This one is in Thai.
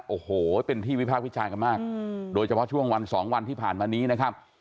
โอ้โหเป็นที่วิพากษ์วิจารณ์กันมากโดยเฉพาะช่วงวันสองวันที่ผ่านมานี้นะครับ